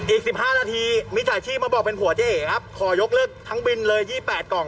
อีก๑๕นาทีมิจฉาชีพมาบอกเป็นผัวเจ๊เอ๋ครับขอยกเลิกทั้งบินเลย๒๘กล่อง